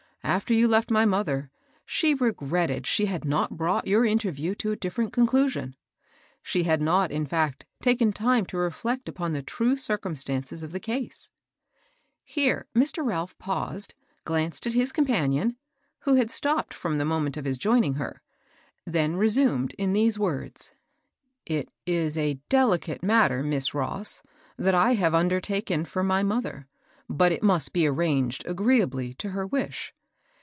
"After you left my mother, she regretted she had not brought your interview to a different conclusion. She had not, in fact, taken time to reflect upon the true circumstances of the case." Here Mr. Ralph paused, glanced at his compan ion, — who had stopped from the moment of his joining her, — then resumed in these words :—" It is a delicate matter. Miss Ross, that I have undertaken for my mother, but it must be arranged agreeably to her wish.